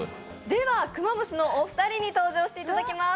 ではクマムシのお二人に登場していただきます。